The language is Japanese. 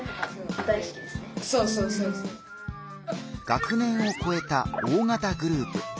学年をこえた大型グループ。